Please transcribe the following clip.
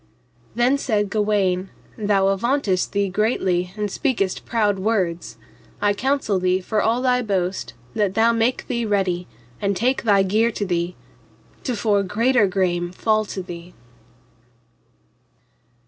Then said Gawaine, thou avauntest thee greatly and speakest proud words, I counsel thee for all thy boast that thou make thee ready, and take thy gear to thee, to fore greater grame fall to thee.